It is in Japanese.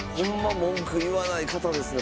文句言わない方ですね